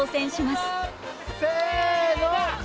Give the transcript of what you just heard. せの！